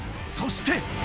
そして。